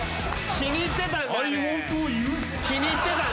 気に入ってたんだ。